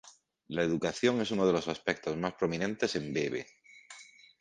La educación es uno de los aspectos más prominentes en Beebe.